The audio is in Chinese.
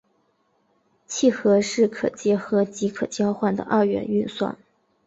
楔和是可结合及可交换的二元运算。